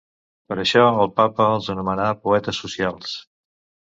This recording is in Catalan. Per això el papa els anomenà ‘poetes socials’.